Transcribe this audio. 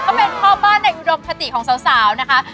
เขาเป็นพ่อบ้านในอุโรคปฏิของสาวนะคะ